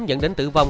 dẫn đến tử vong